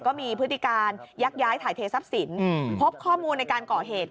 พฤติการยักย้ายถ่ายเททรัพย์สินพบข้อมูลในการก่อเหตุ